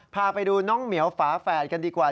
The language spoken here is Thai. พาไปดูน้องเหมียวฝาแฝดกันดีกว่า